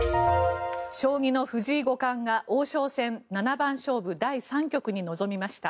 将棋の藤井聡太五冠が王将戦七番勝負第３局に臨みました。